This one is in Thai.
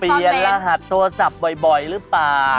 รหัสโทรศัพท์บ่อยหรือเปล่า